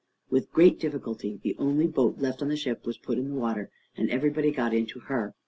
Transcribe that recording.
With great difficulty the only boat left on the ship was put in the water, and everybody got into her.